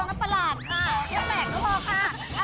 ก็ตลาดค่ะไม่แหลกก็พอค่ะ